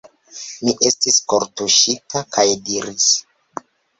Mi estis kortuŝita kaj diris: